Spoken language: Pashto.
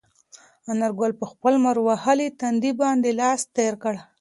انارګل په خپل لمر وهلي تندي باندې لاس تېر کړ.